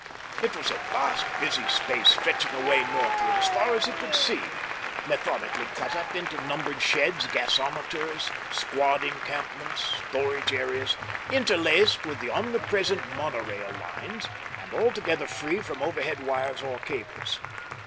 It was a vast busy space stretching away northward as far as he could see, methodically cut up into numbered sheds, gasometers, squad encampments, storage areas, interlaced with the omnipresent mono rail lines, and altogether free from overhead wires or cables.